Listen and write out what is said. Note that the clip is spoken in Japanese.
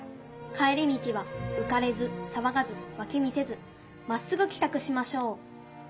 帰り道はうかれずさわがずわき見せずまっすぐきたくしましょう」。